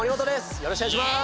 よろしくお願いします！